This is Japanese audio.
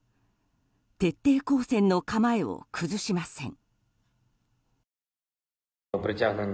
徹底抗戦の構えを崩しません。